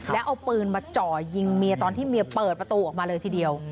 แล้วเอาปืนมาจ่อยิงเมียตอนที่เมียเปิดประตูออกมาเลยทีเดียว